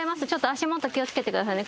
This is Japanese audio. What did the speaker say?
足元気を付けてくださいね。